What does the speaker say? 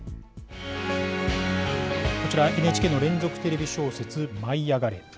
こちら、ＮＨＫの連続テレビ小説舞いあがれ！